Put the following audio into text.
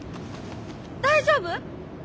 大丈夫？